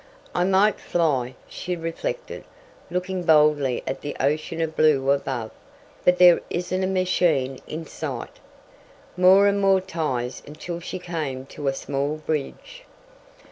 "I might fly," she reflected, looking boldly at the ocean of blue above, "but there isn't a machine in sight." More and more ties until she came to a small bridge.